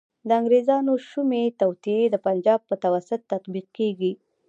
د انګریزانو شومي توطیې د پنجاب په توسط تطبیق کیږي.